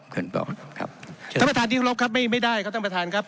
ท่านประธานที่รับครับไม่ได้ครับท่านประธานครับ